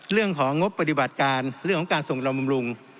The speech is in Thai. เรื่องของงบปฏิบัติการเรื่องของการส่งการลำบำรุง